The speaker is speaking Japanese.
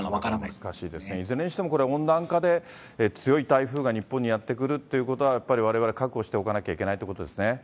難しいですね、いずれにしても、これ、温暖化で強い台風が日本にやって来るということは、やっぱりわれわれ覚悟しておかなきゃいけないということですね。